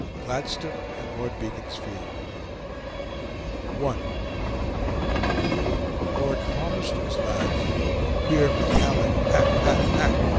GLADSTONE AND LORD BEACONSFIELD I Lord Palmerston's laugh a queer metallic "Ha! ha! ha!"